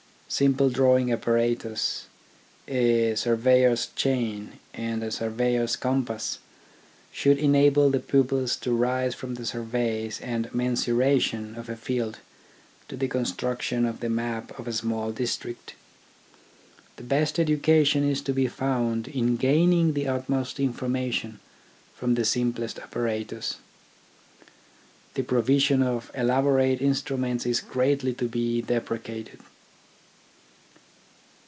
Simple drawing apparatus, a surveyor's chain, and a surveyor's compass, should enable the pupils to rise from the survey and mensuration of a field to the construction of 22 THE ORGANISATION OF THOUGHT the map of a small district. The best education is to be found in gaining the utmost informa tion from the simplest apparatus. The provision of elaborate instruments is greatly to be depre cated.